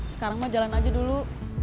sekarang mah jalan aja dulu